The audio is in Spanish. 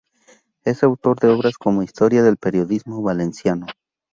Es autor de obras como "Historia del periodismo valenciano.